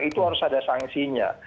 itu harus ada sangsinya